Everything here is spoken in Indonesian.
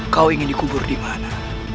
kau ingin dikubur di mana